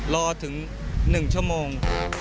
รอถึง๑ชั่วโมง